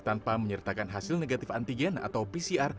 tanpa menyertakan hasil negatif antigen atau pcr